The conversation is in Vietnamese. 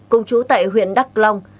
công chú tại huyện đắk long